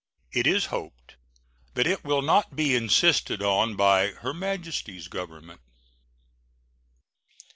It is hoped that it will not be insisted on by Her Majesty's Government.